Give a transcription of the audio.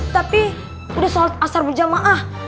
tapi udah sholat asar berjamaah